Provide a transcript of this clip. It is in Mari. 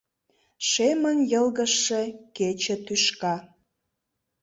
Шемын йылгыжше кече тӱшка!